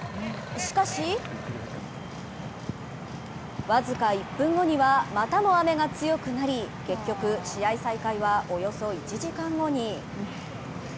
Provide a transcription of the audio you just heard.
しかし僅か１分後には、またも雨が強くなり結局、試合再開は、およそ１時間後に。